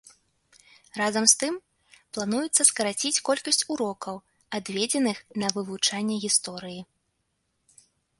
Разам з тым, плануецца скараціць колькасць урокаў, адведзеных на вывучэнне гісторыі.